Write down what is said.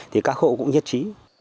thì các hộ cũng nhất trí